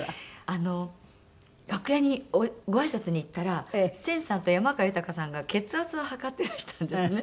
あの楽屋にごあいさつに行ったら千さんと山川豊さんが血圧を測っていらしたんですね。